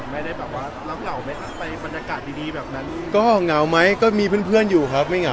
ไม่ได้แบบว่าเราเหงาไหมอ๊ะไปบรรยากาศดีแบบนั้น